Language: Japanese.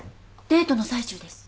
デートの最中です。